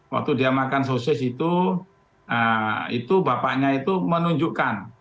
waktu dia makan sosis itu itu bapaknya itu menunjukkan